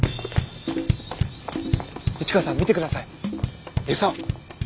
市川さん見て下さい餌。